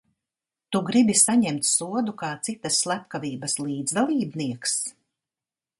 Tu gribi saņemt sodu kā citas slepkavības līdzdalībnieks?